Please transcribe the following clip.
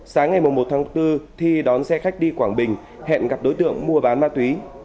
sáng ngày một tháng bốn thi đón xe khách đi quảng bình hẹn gặp đối tượng mua bán ma túy